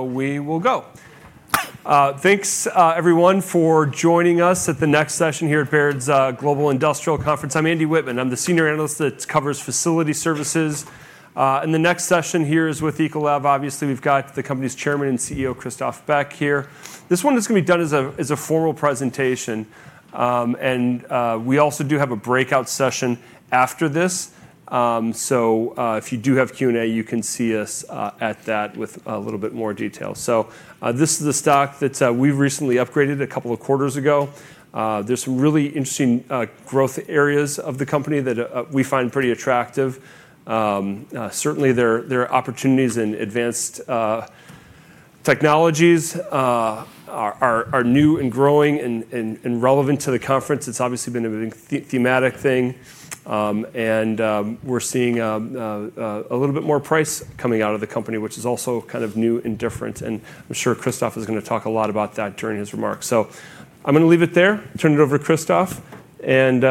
We will go. Thanks, everyone, for joining us at the next session here at Baird's Global Industrial Conference. I'm Andy Wittmann. I'm the Senior Analyst that covers facility services. The next session here is with Ecolab. Obviously, we've got the company's Chairman and CEO, Christophe Beck, here. This one is going to be done as a formal presentation. We also do have a breakout session after this. If you do have Q&A, you can see us at that with a little bit more detail. This is the stock that we've recently upgraded a couple of quarters ago. There are some really interesting growth areas of the company that we find pretty attractive. Certainly, there are opportunities in advanced technologies that are new and growing and relevant to the conference. It's obviously been a thematic thing. We're seeing a little bit more price coming out of the company, which is also kind of new and different. I'm sure Christophe is going to talk a lot about that during his remarks. I'm going to leave it there, turn it over to Christophe, and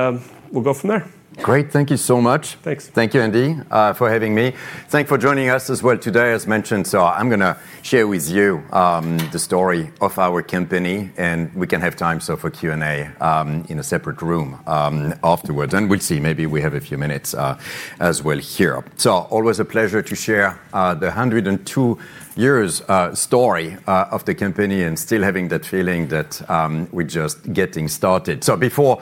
we'll go from there. Great. Thank you so much. Thanks. Thank you, Andy, for having me. Thanks for joining us as well today, as mentioned. I'm going to share with you the story of our company. We can have time for Q&A in a separate room afterwards. We'll see. Maybe we have a few minutes as well here. Always a pleasure to share the 102 years story of the company and still having that feeling that we're just getting started. Before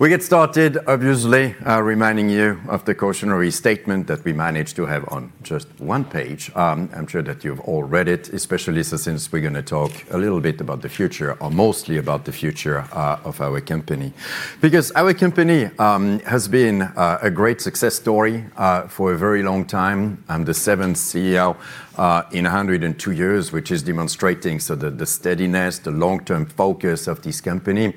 we get started, obviously, reminding you of the cautionary statement that we managed to have on just one page. I'm sure that you've all read it, especially since we're going to talk a little bit about the future, or mostly about the future of our company. Because our company has been a great success story for a very long time. I'm the seventh CEO in 102 years, which is demonstrating the steadiness, the long-term focus of this company.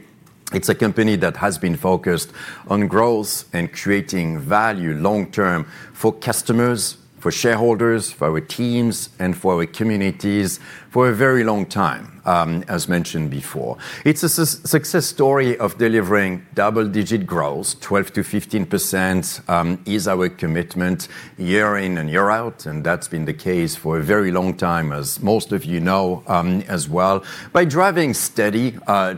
It's a company that has been focused on growth and creating value long-term for customers, for shareholders, for our teams, and for our communities for a very long time, as mentioned before. It's a success story of delivering double-digit growth. 12%-15% is our commitment year in and year out. That's been the case for a very long time, as most of you know as well. By driving steady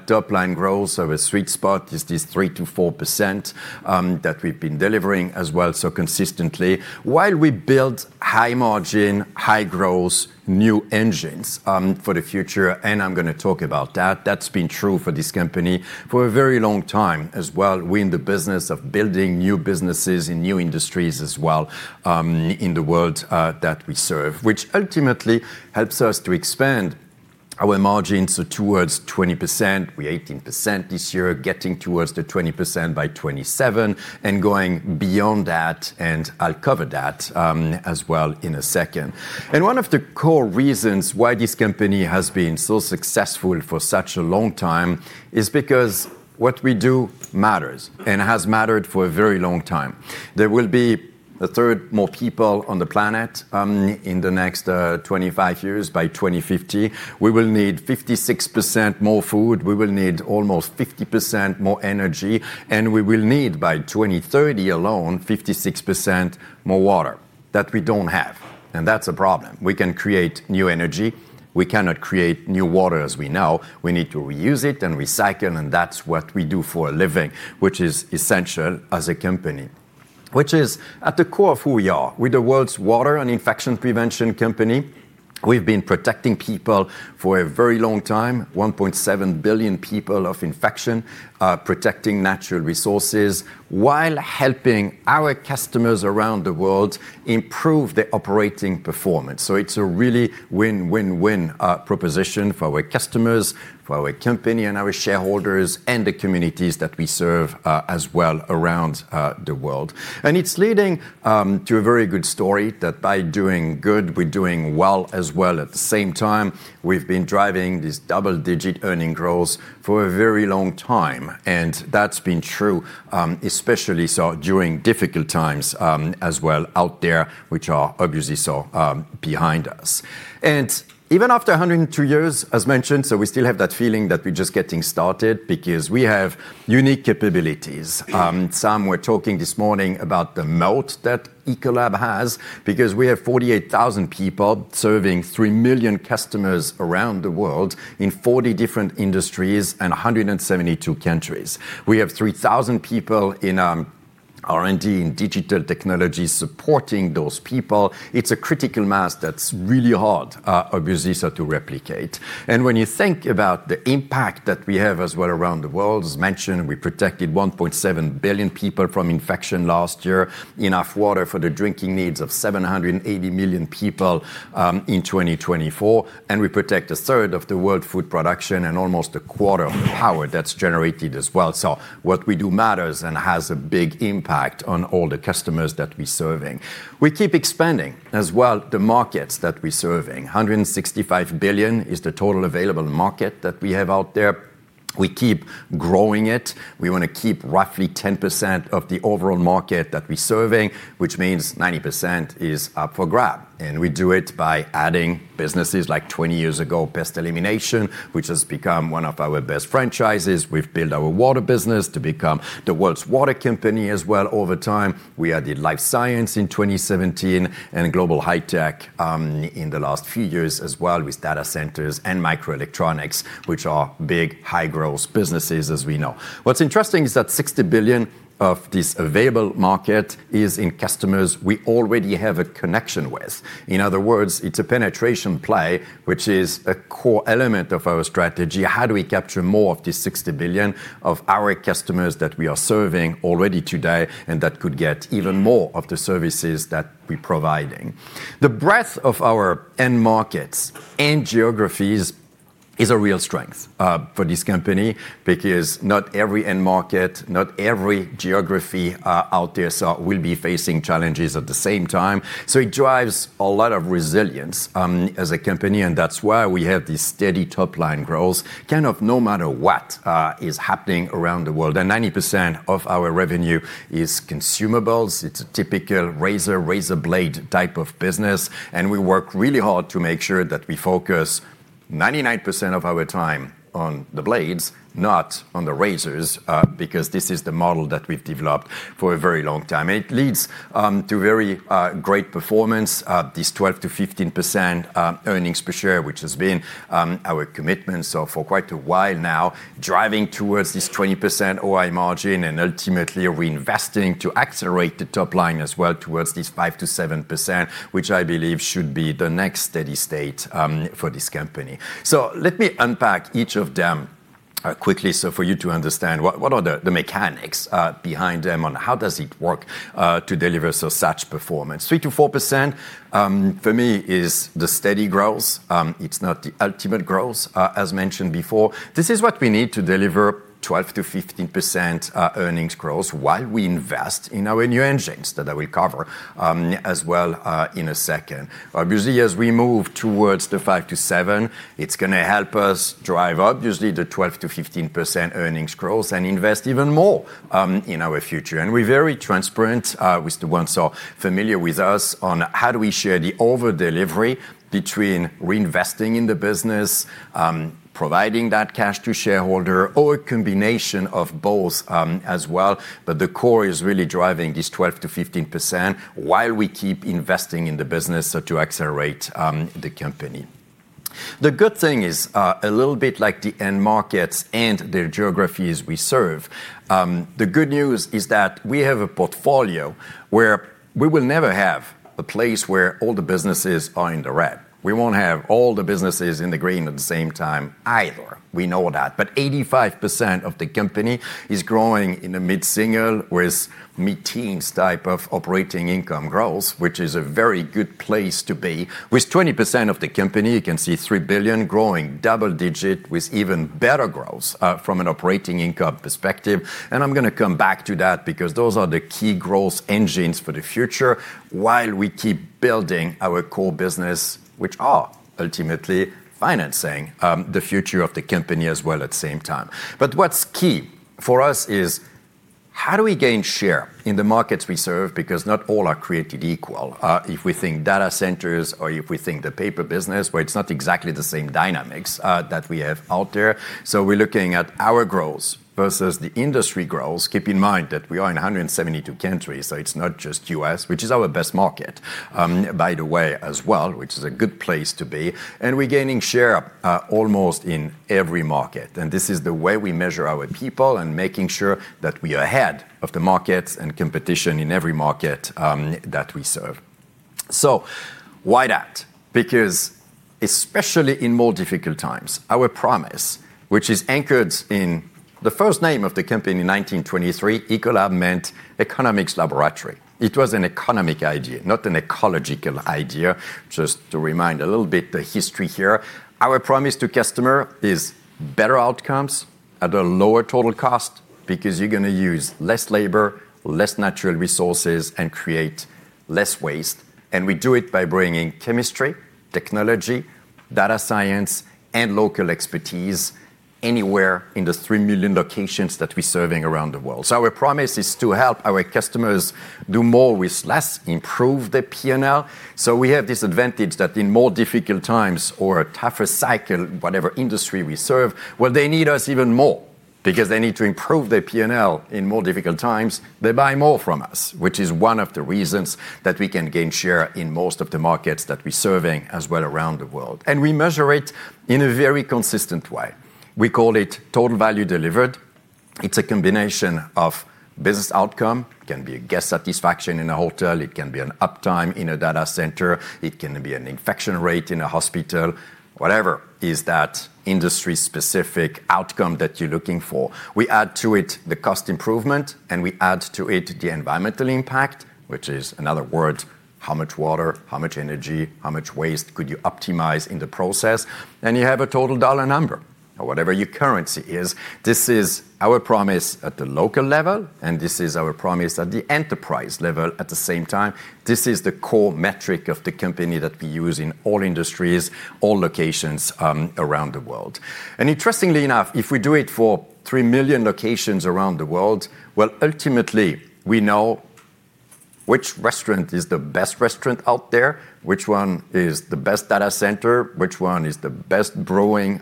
top-line growth, our sweet spot is this 3%-4% that we've been delivering as well so consistently. While we build high margin, high growth, new engines for the future, I'm going to talk about that, that's been true for this company for a very long time as well. We're in the business of building new businesses in new industries as well in the world that we serve, which ultimately helps us to expand our margins towards 20%. We're 18% this year, getting towards the 20% by 2027 and going beyond that. I will cover that as well in a second. One of the core reasons why this company has been so successful for such a long time is because what we do matters and has mattered for a very long time. There will be a third more people on the planet in the next 25 years. By 2050, we will need 56% more food. We will need almost 50% more energy. We will need, by 2030 alone, 56% more water that we do not have. That is a problem. We can create new energy. We cannot create new water as we know. We need to reuse it and recycle. That is what we do for a living, which is essential as a company, which is at the core of who we are. We are the world's water and infection prevention company. We have been protecting people for a very long time, 1.7 billion people of infection, protecting natural resources while helping our customers around the world improve their operating performance. It is a really win-win-win proposition for our customers, for our company, and our shareholders and the communities that we serve as well around the world. It is leading to a very good story that by doing good, we are doing well as well. At the same time, we have been driving this double-digit earning growth for a very long time. That has been true, especially during difficult times as well out there, which are obviously so behind us. Even after 102 years, as mentioned, we still have that feeling that we're just getting started because we have unique capabilities. Some were talking this morning about the moat that Ecolab has because we have 48,000 people serving 3 million customers around the world in 40 different industries and 172 countries. We have 3,000 people in R&D and digital technology supporting those people. It's a critical mass that's really hard, obviously, to replicate. When you think about the impact that we have as well around the world, as mentioned, we protected 1.7 billion people from infection last year, enough water for the drinking needs of 780 million people in 2024. We protect a third of the world's food production and almost a quarter of the power that's generated as well. What we do matters and has a big impact on all the customers that we're serving. We keep expanding as well the markets that we're serving. $165 billion is the total available market that we have out there. We keep growing it. We want to keep roughly 10% of the overall market that we're serving, which means 90% is up for grab. We do it by adding businesses like 20 years ago, Pest Elimination, which has become one of our best franchises. We've built our water business to become the world's water company as well over time. We added Life Sciences in 2017 and Global High-Tech in the last few years as well with data centers and microelectronics, which are big, high-growth businesses, as we know. What's interesting is that $60 billion of this available market is in customers we already have a connection with. In other words, it's a penetration play, which is a core element of our strategy. How do we capture more of this $60 billion of our customers that we are serving already today and that could get even more of the services that we're providing? The breadth of our end markets and geographies is a real strength for this company because not every end market, not every geography out there will be facing challenges at the same time. It drives a lot of resilience as a company. That is why we have this steady top-line growth kind of no matter what is happening around the world. Ninety percent of our revenue is consumables. It's a typical razor-razor blade type of business. We work really hard to make sure that we focus 99% of our time on the blades, not on the razors, because this is the model that we've developed for a very long time. It leads to very great performance, these 12%-15% earnings per share, which has been our commitment for quite a while now, driving towards this 20% OI margin and ultimately reinvesting to accelerate the top line as well towards these 5%-7%, which I believe should be the next steady state for this company. Let me unpack each of them quickly for you to understand what are the mechanics behind them and how does it work to deliver such performance. 3%-4% for me is the steady growth. It's not the ultimate growth, as mentioned before. This is what we need to deliver 12%-15% earnings growth while we invest in our new engines that I will cover as well in a second. Obviously, as we move towards the 5%-7%, it is going to help us drive obviously the 12%-15% earnings growth and invest even more in our future. We are very transparent with the ones who are familiar with us on how do we share the overdelivery between reinvesting in the business, providing that cash to shareholder, or a combination of both as well. The core is really driving this 12%-15% while we keep investing in the business to accelerate the company. The good thing is a little bit like the end markets and their geographies we serve. The good news is that we have a portfolio where we will never have a place where all the businesses are in the red. We will not have all the businesses in the green at the same time either. We know that. However, 85% of the company is growing in a mid-single with mid-teens type of operating income growth, which is a very good place to be. With 20% of the company, you can see $3 billion growing double-digit with even better growth from an operating income perspective. I am going to come back to that because those are the key growth engines for the future while we keep building our core business, which are ultimately financing the future of the company as well at the same time. What is key for us is how do we gain share in the markets we serve? Because not all are created equal. If we think data centers or if we think the paper business, it is not exactly the same dynamics that we have out there. We are looking at our growth versus the industry growth. Keep in mind that we are in 172 countries. It is not just the U.S., which is our best market, by the way, as well, which is a good place to be. We are gaining share almost in every market. This is the way we measure our people and making sure that we are ahead of the markets and competition in every market that we serve. Why that? Because especially in more difficult times, our promise, which is anchored in the first name of the company in 1923, Ecolab meant Economics Llaboratory. It was an economic idea, not an ecological idea. Just to remind a little bit the history here, our promise to customer is better outcomes at a lower total cost because you're going to use less labor, less natural resources, and create less waste. We do it by bringing chemistry, technology, data science, and local expertise anywhere in the 3 million locations that we're serving around the world. Our promise is to help our customers do more with less, improve their P&L. We have this advantage that in more difficult times or a tougher cycle, whatever industry we serve, they need us even more because they need to improve their P&L in more difficult times. They buy more from us, which is one of the reasons that we can gain share in most of the markets that we're serving as well around the world. We measure it in a very consistent way. We call it total value delivered. It's a combination of business outcome. It can be a guest satisfaction in a hotel. It can be an uptime in a data center. It can be an infection rate in a hospital, whatever is that industry-specific outcome that you're looking for. We add to it the cost improvement, and we add to it the environmental impact, which is another word, how much water, how much energy, how much waste could you optimize in the process? You have a total dollar number or whatever your currency is. This is our promise at the local level, and this is our promise at the enterprise level at the same time. This is the core metric of the company that we use in all industries, all locations around the world. Interestingly enough, if we do it for 3 million locations around the world, ultimately, we know which restaurant is the best restaurant out there, which one is the best data center, which one is the best brewing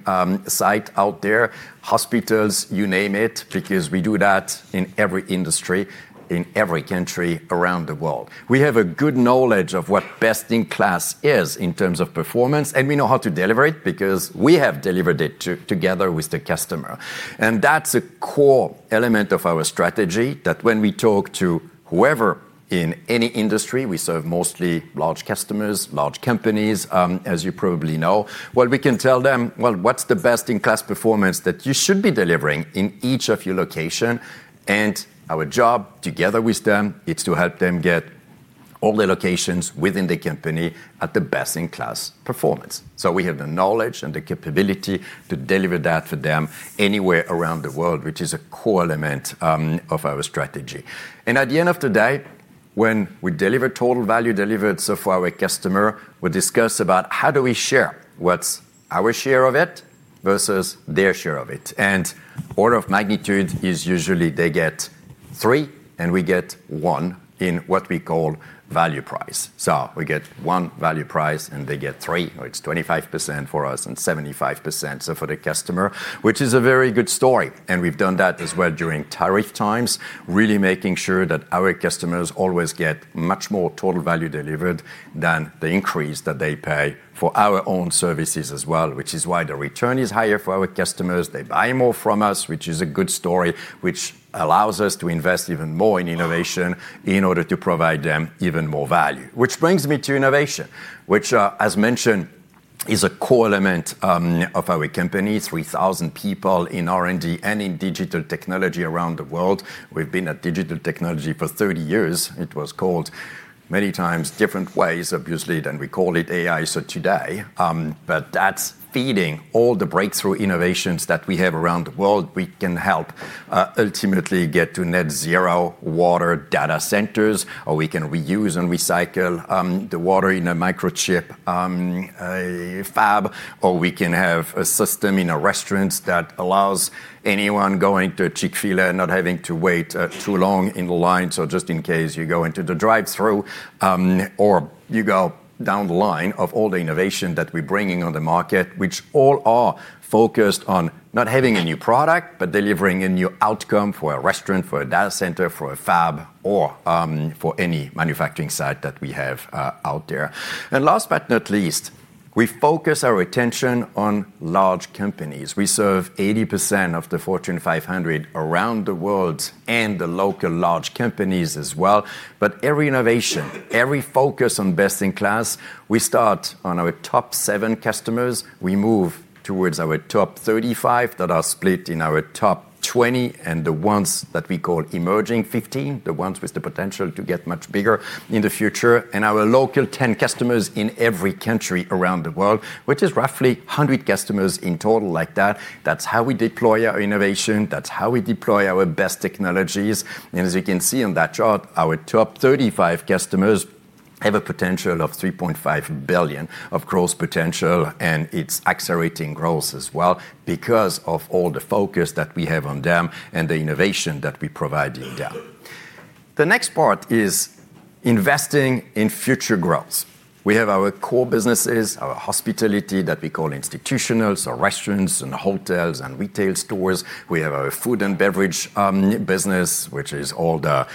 site out there, hospitals, you name it, because we do that in every industry, in every country around the world. We have a good knowledge of what best-in-class is in terms of performance, and we know how to deliver it because we have delivered it together with the customer. That is a core element of our strategy that when we talk to whoever in any industry, we serve mostly large customers, large companies, as you probably know, we can tell them what the best-in-class performance is that you should be delivering in each of your locations. Our job together with them is to help them get all the locations within the company at the best-in-class performance. We have the knowledge and the capability to deliver that for them anywhere around the world, which is a core element of our strategy. At the end of the day, when we deliver total value delivered for our customer, we discuss about how do we share what's our share of it versus their share of it. Order of magnitude is usually they get three, and we get one in what we call value price. We get one value price, and they get three. It's 25% for us and 75% for the customer, which is a very good story. We have done that as well during tariff times, really making sure that our customers always get much more total value delivered than the increase that they pay for our own services as well, which is why the return is higher for our customers. They buy more from us, which is a good story, which allows us to invest even more in innovation in order to provide them even more value, which brings me to innovation, which, as mentioned, is a core element of our company. 3,000 people in R&D and in digital technology around the world. We have been at digital technology for 30 years. It was called many times different ways, obviously, than we call it AI today. That is feeding all the breakthrough innovations that we have around the world. We can help ultimately get to net zero water data centers, or we can reuse and recycle the water in a microchip fab, or we can have a system in a restaurant that allows anyone going to a Chick-fil-A not having to wait too long in the line. Just in case you go into the drive-thru or you go down the line of all the innovation that we're bringing on the market, which all are focused on not having a new product, but delivering a new outcome for a restaurant, for a data center, for a fab, or for any manufacturing site that we have out there. Last but not least, we focus our attention on large companies. We serve 80% of the Fortune 500 around the world and the local large companies as well. Every innovation, every focus on best-in-class, we start on our top seven customers. We move towards our top 35 that are split in our top 20 and the ones that we call emerging 15, the ones with the potential to get much bigger in the future, and our local 10 customers in every country around the world, which is roughly 100 customers in total like that. That is how we deploy our innovation. That is how we deploy our best technologies. As you can see on that chart, our top 35 customers have a potential of $3.5 billion of growth potential, and it is accelerating growth as well because of all the focus that we have on them and the innovation that we provide in them. The next part is investing in future growth. We have our core businesses, our hospitality that we call institutionals, or restaurants, and hotels and retail stores. We have our food and beverage business, which is all the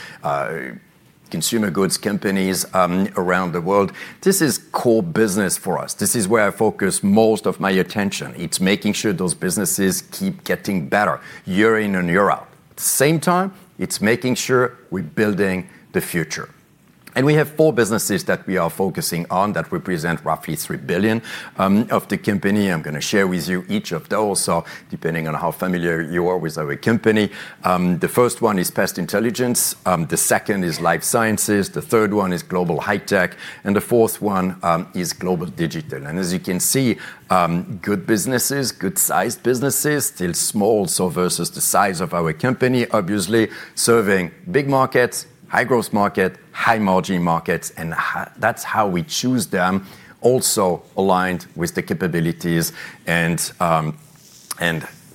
consumer goods companies around the world. This is core business for us. This is where I focus most of my attention. It is making sure those businesses keep getting better year in and year out. At the same time, it is making sure we are building the future. We have four businesses that we are focusing on that represent roughly $3 billion of the company. I am going to share with you each of those. Depending on how familiar you are with our company, the first one is Pest Intelligence. The second is Life Sciences. The third one is Global High-Tech. The fourth one is Ecolab Digital. As you can see, good businesses, good-sized businesses, still small versus the size of our company, obviously serving big markets, high-growth markets, high-margin markets. That is how we choose them, also aligned with the capabilities and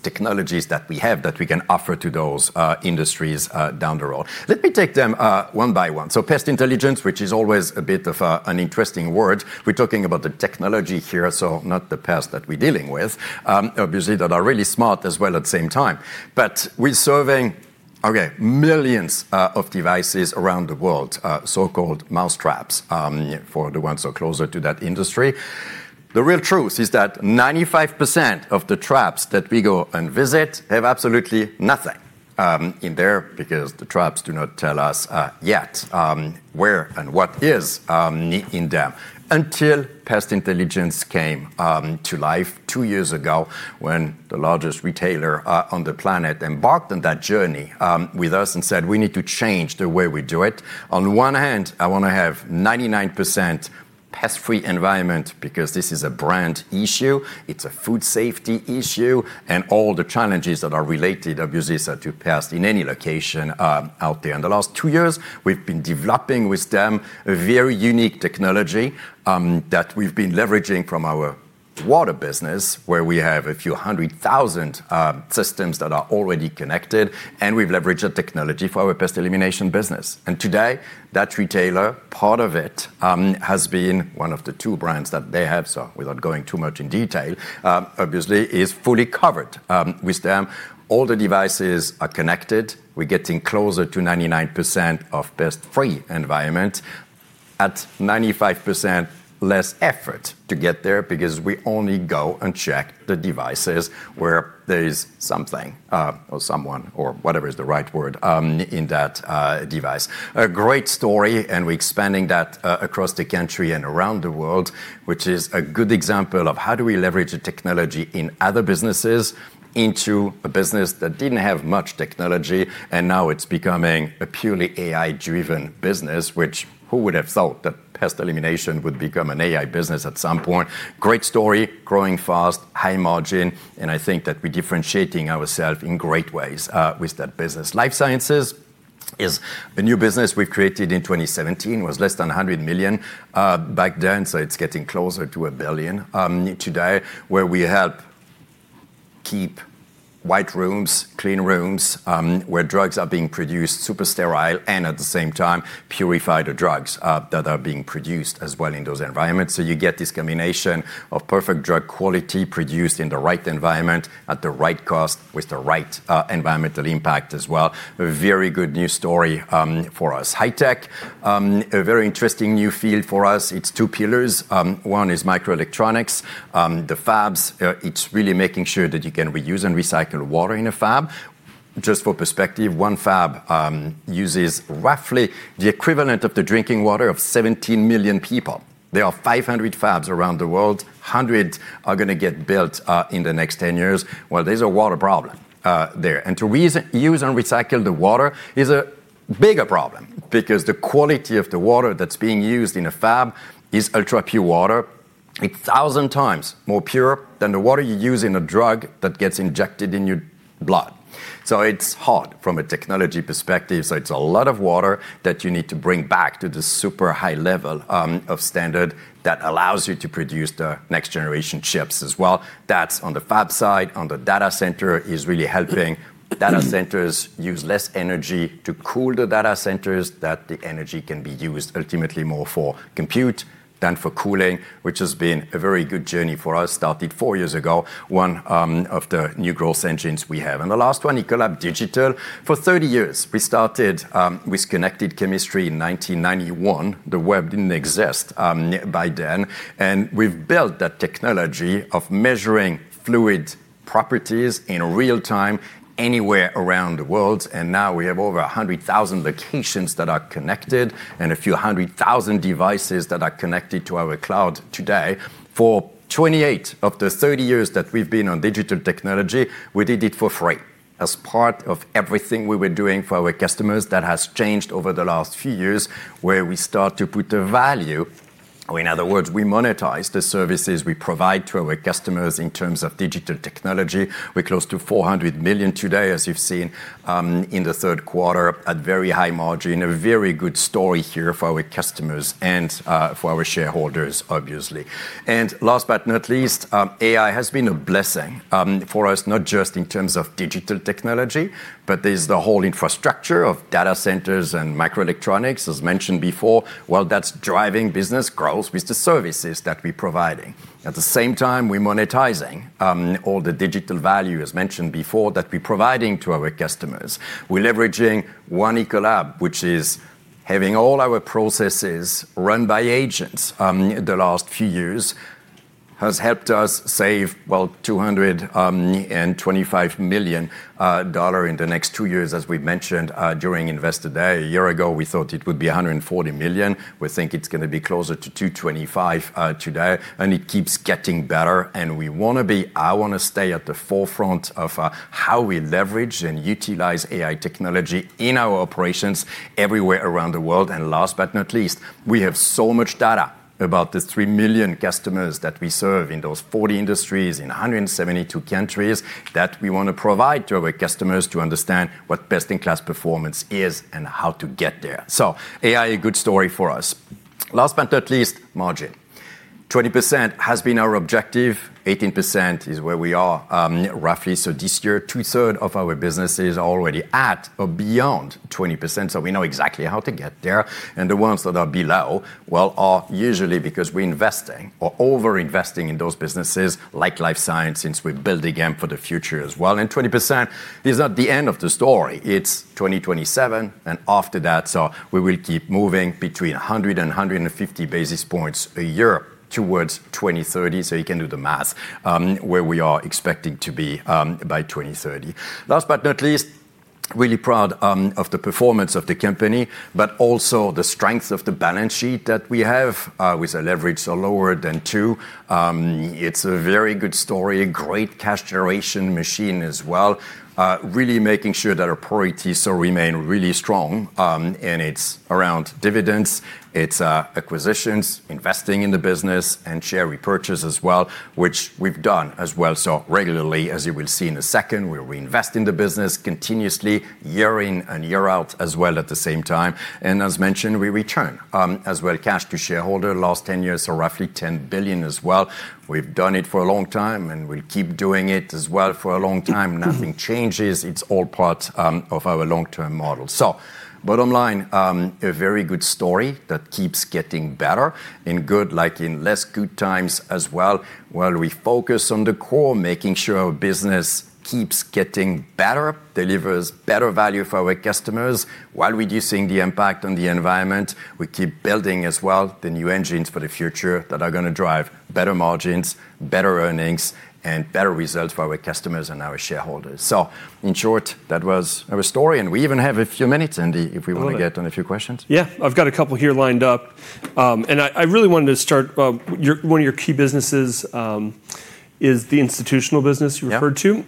technologies that we have that we can offer to those industries down the road. Let me take them one by one. Pest Intelligence, which is always a bit of an interesting word. We are talking about the technology here, so not the pest that we are dealing with, obviously, that are really smart as well at the same time. We are serving millions of devices around the world, so-called mouse traps for the ones who are closer to that industry. The real truth is that 95% of the traps that we go and visit have absolutely nothing in there because the traps do not tell us yet where and what is in them until Pest Intelligence came to life two years ago when the largest retailer on the planet embarked on that journey with us and said, "We need to change the way we do it." On one hand, I want to have 99% pest-free environment because this is a brand issue. It's a food safety issue. All the challenges that are related, obviously, to pests in any location out there. In the last two years, we've been developing with them a very unique technology that we've been leveraging from our water business, where we have a few hundred thousand systems that are already connected. We've leveraged a technology for our pest elimination business. Today, that retailer, part of it has been one of the two brands that they have. Without going too much in detail, obviously, is fully covered with them. All the devices are connected. We're getting closer to 99% of pest-free environment at 95% less effort to get there because we only go and check the devices where there is something or someone or whatever is the right word in that device. A great story. We're expanding that across the country and around the world, which is a good example of how do we leverage the technology in other businesses into a business that did not have much technology. Now it's becoming a purely AI-driven business, which who would have thought that pest elimination would become an AI business at some point? Great story, growing fast, high margin. I think that we're differentiating ourselves in great ways with that business. Life Sciences is a new business we created in 2017. It was less than $100 million back then. It is getting closer to $1 billion today, where we help keep white rooms, clean rooms where drugs are being produced, super sterile, and at the same time, purify the drugs that are being produced as well in those environments. You get this combination of perfect drug quality produced in the right environment at the right cost with the right environmental impact as well. A very good news story for us. High-Tech, a very interesting new field for us. It is two pillars. One is microelectronics. The fabs, it is really making sure that you can reuse and recycle water in a fab. Just for perspective, one fab uses roughly the equivalent of the drinking water of 17 million people. There are 500 fabs around the world. One hundred are going to get built in the next 10 years. There is a water problem there. To reuse and recycle the water is a bigger problem because the quality of the water that is being used in a fab is ultra-pure water. It is 1,000 times more pure than the water you use in a drug that gets injected in your blood. It is hard from a technology perspective. It is a lot of water that you need to bring back to the super high level of standard that allows you to produce the next-generation chips as well. That is on the fab side. On the data center, it's really helping data centers use less energy to cool the data centers that the energy can be used ultimately more for compute than for cooling, which has been a very good journey for us. It started four years ago, one of the new growth engines we have. The last one, Ecolab Digital. For 30 years, we started with connected chemistry in 1991. The web didn't exist by then. We have built that technology of measuring fluid properties in real time anywhere around the world. Now we have over 100,000 locations that are connected and a few hundred thousand devices that are connected to our cloud today. For 28 of the 30 years that we've been on digital technology, we did it for free as part of everything we were doing for our customers. That has changed over the last few years, where we start to put the value. In other words, we monetize the services we provide to our customers in terms of digital technology. We're close to $400 million today, as you've seen, in the third quarter at very high margin. A very good story here for our customers and for our shareholders, obviously. Last but not least, AI has been a blessing for us, not just in terms of digital technology, but there's the whole infrastructure of data centers and microelectronics, as mentioned before. That is driving business growth with the services that we're providing. At the same time, we're monetizing all the digital value, as mentioned before, that we're providing to our customers. We're leveraging One Ecolab, which is having all our processes run by agents the last few years, has helped us save, well, $225 million in the next two years, as we've mentioned during Investor Day. A year ago, we thought it would be $140 million. We think it's going to be closer to $225 million today. It keeps getting better. We want to be—I want to stay at the forefront of how we leverage and utilize AI technology in our operations everywhere around the world. Last but not least, we have so much data about the 3 million customers that we serve in those 40 industries in 172 countries that we want to provide to our customers to understand what best-in-class performance is and how to get there. AI, a good story for us. Last but not least, margin. 20% has been our objective. 18% is where we are roughly. This year, 2/3 of our businesses are already at or beyond 20%. We know exactly how to get there. The ones that are below are usually because we're investing or over-investing in those businesses like Life Sciences since we're building them for the future as well. 20% is not the end of the story. It's 2027 and after that. We will keep moving between 100 and 150 basis points a year towards 2030. You can do the math where we are expecting to be by 2030. Last but not least, really proud of the performance of the company, but also the strength of the balance sheet that we have with a leverage so lower than two. It's a very good story, a great cash generation machine as well, really making sure that our priorities still remain really strong. It's around dividends, it's acquisitions, investing in the business, and share repurchase as well, which we've done as well. Regularly, as you will see in a second, we're reinvesting in the business continuously year in and year out as well at the same time. As mentioned, we return as well cash to shareholder. Last 10 years are roughly $10 billion as well. We've done it for a long time and we'll keep doing it as well for a long time. Nothing changes. It's all part of our long-term model. Bottom line, a very good story that keeps getting better in good, like in less good times as well. While we focus on the core, making sure our business keeps getting better, delivers better value for our customers while reducing the impact on the environment. We keep building as well the new engines for the future that are going to drive better margins, better earnings, and better results for our customers and our shareholders. In short, that was our story. We even have a few minutes, Andy, if we want to get on a few questions. Yeah, I've got a couple here lined up. I really wanted to start. One of your key businesses is the institutional business you referred to.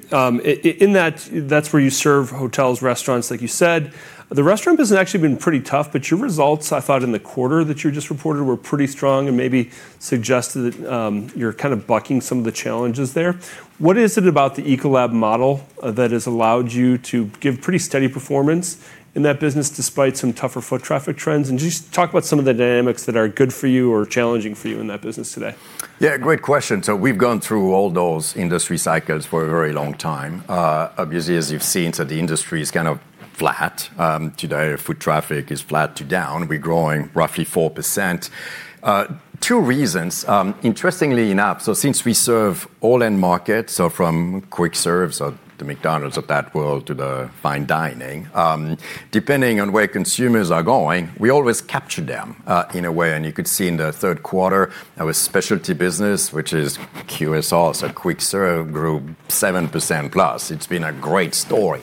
In that, that's where you serve hotels, restaurants, like you said. The restaurant business has actually been pretty tough, but your results, I thought in the quarter that you just reported, were pretty strong and maybe suggested that you're kind of bucking some of the challenges there. What is it about the Ecolab model that has allowed you to give pretty steady performance in that business despite some tougher foot traffic trends? Just talk about some of the dynamics that are good for you or challenging for you in that business today. Yeah, great question. We've gone through all those industry cycles for a very long time. Obviously, as you've seen, the industry is kind of flat today. Foot traffic is flat to down. We're growing roughly 4%. Two reasons, interestingly enough. Since we serve all end markets, from quick serves, so the McDonald's of that world, to the fine dining, depending on where consumers are going, we always capture them in a way. You could see in the third quarter, our specialty business, which is QSR, so quick serve, grew 7%+. It has been a great story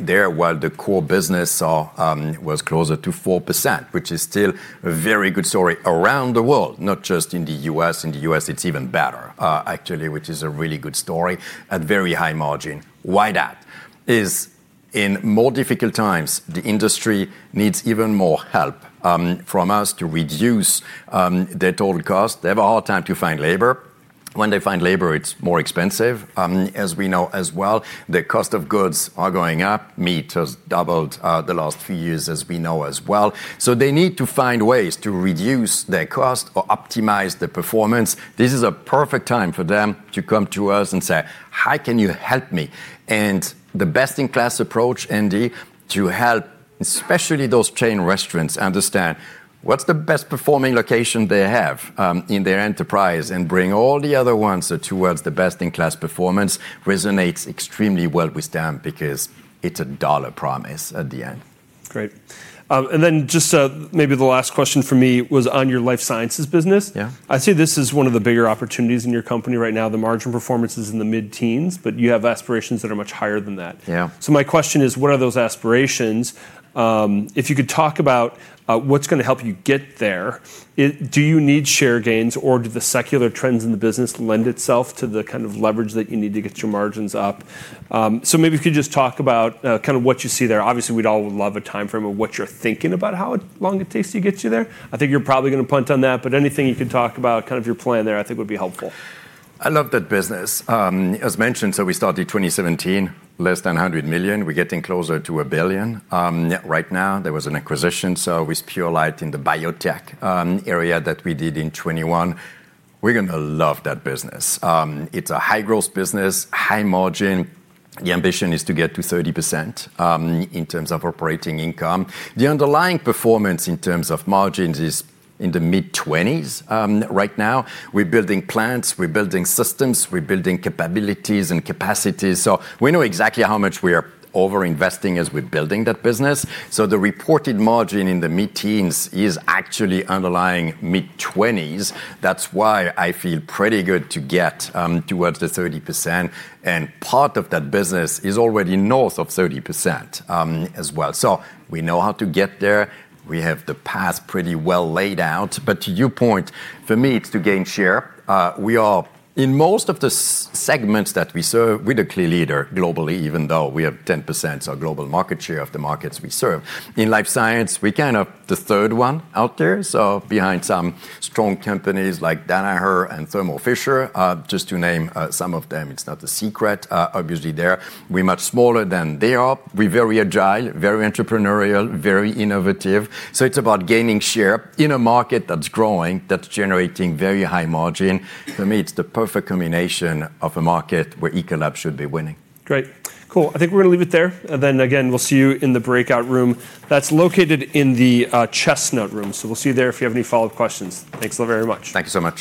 there, while the core business was closer to 4%, which is still a very good story around the world, not just in the U.S. In the U.S., it is even better, actually, which is a really good story at very high margin. Why that is, in more difficult times, the industry needs even more help from us to reduce their total cost. They have a hard time to find labor. When they find labor, it is more expensive, as we know as well. The cost of goods are going up. Meat has doubled the last few years, as we know as well. They need to find ways to reduce their cost or optimize their performance. This is a perfect time for them to come to us and say, "How can you help me?" The best-in-class approach, Andy, to help especially those chain restaurants understand what is the best-performing location they have in their enterprise and bring all the other ones towards the best-in-class performance resonates extremely well with them because it is a dollar promise at the end. Great. Maybe the last question for me was on your life sciences business. I see this as one of the bigger opportunities in your company right now. The margin performance is in the mid-teens, but you have aspirations that are much higher than that. My question is, what are those aspirations? If you could talk about what's going to help you get there, do you need share gains or do the secular trends in the business lend itself to the kind of leverage that you need to get your margins up? Maybe if you could just talk about kind of what you see there. Obviously, we'd all love a time frame of what you're thinking about how long it takes to get you there. I think you're probably going to punt on that, but anything you could talk about, kind of your plan there, I think would be helpful. I love that business. As mentioned, we started 2017, less than $100 million. We're getting closer to $1 billion right now. There was an acquisition, so with Purolite in the biotech area that we did in 2021. We're going to love that business. It's a high-growth business, high margin. The ambition is to get to 30% in terms of operating income. The underlying performance in terms of margins is in the mid-20s right now. We're building plants, we're building systems, we're building capabilities and capacities. We know exactly how much we are over-investing as we're building that business. The reported margin in the mid-teens is actually underlying mid-20s. That's why I feel pretty good to get towards the 30%. Part of that business is already north of 30% as well. We know how to get there. We have the path pretty well laid out. To your point, for me, it's to gain share. We are in most of the segments that we serve with a clear leader globally, even though we have 10% global market share of the markets we serve. In life science, we're kind of the third one out there, so behind some strong companies like Danaher and Thermo Fisher, just to name some of them. It's not a secret, obviously, there. We're much smaller than they are. We're very agile, very entrepreneurial, very innovative. It's about gaining share in a market that's growing, that's generating very high margin. For me, it's the perfect combination of a market where Ecolab should be winning. Great. Cool. I think we're going to leave it there. Then again, we'll see you in the breakout room that's located in the Chestnut Room. We'll see you there if you have any follow-up questions. Thanks a lot, very much. Thank you so much.